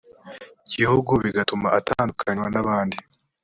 gihugu bigatuma atandukanywa n abandi